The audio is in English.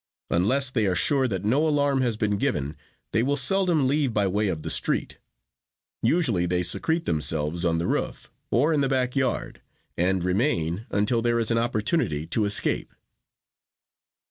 Unless they are sure that no alarm has been given, they will seldom leave by way of the street; usually they secrete themselves on the roof or in the back yard and remain until there is an opportunity to escape.